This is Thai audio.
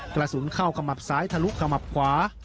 กระสุนเข้าขมับซ้ายทะลุขมับขวา